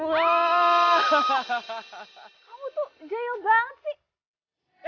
hujan waaah kamu tuh jayou banget sih